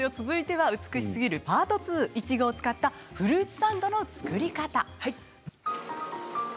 続いては美しすぎるパート２いちごを使ったフルーツサンドの作り方。